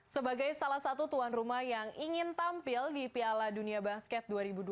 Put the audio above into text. sebagai salah satu tuan rumah yang ingin tampil di piala dunia basket dua ribu dua puluh